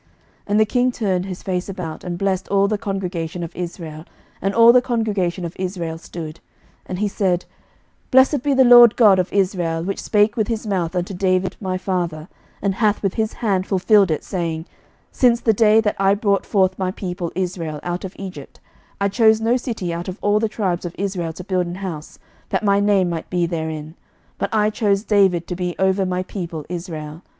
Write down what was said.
11:008:014 And the king turned his face about, and blessed all the congregation of Israel: (and all the congregation of Israel stood;) 11:008:015 And he said, Blessed be the LORD God of Israel, which spake with his mouth unto David my father, and hath with his hand fulfilled it, saying, 11:008:016 Since the day that I brought forth my people Israel out of Egypt, I chose no city out of all the tribes of Israel to build an house, that my name might be therein; but I chose David to be over my people Israel.